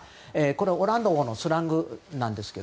これはオランダ語のスラングなんですが。